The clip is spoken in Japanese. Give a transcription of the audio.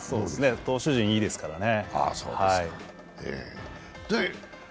投手陣がいいですからね。